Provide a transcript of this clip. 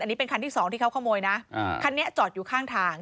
อันนี้เป็นคันที่สองที่เขาขโมยนะคันนี้จอดอยู่ข้างทาง